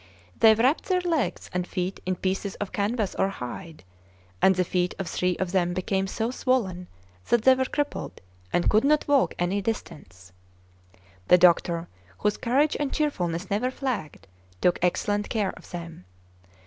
They wrapped their legs and feet in pieces of canvas or hide; and the feet of three of them became so swollen that they were crippled and could not walk any distance. The doctor, whose courage and cheerfulness never flagged, took excellent care of them.